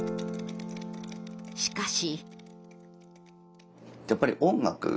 しかし。